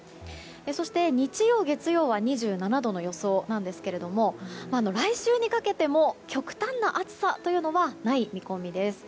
そして、日曜、月曜は２７度の予想なんですけれども来週にかけても極端な暑さというのはない見込みです。